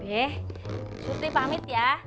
be surti pamit ya